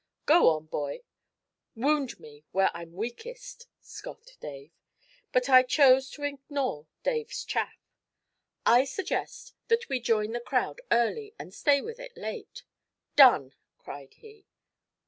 'Go on, boy; wound me where I'm weakest,' scoffed Dave. But I chose to ignore Dave's chaff. 'I suggest that we join the crowd early, and stay with it late.' 'Done!' cried he.